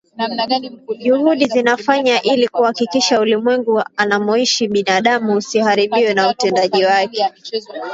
Juhudi zinafanywa ili kuhakikisha ulimwengu anamoishi binadamu usiharibiwe na utendaji wake